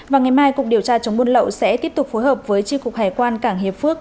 và ngày mai cục điều tra chống buôn lậu sẽ tiếp tục phối hợp với tri cục hải quan cảng hiệp phước